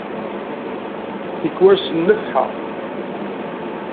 Tikwal s nnefḥa!